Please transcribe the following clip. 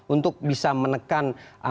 untuk bisa menekan angkatan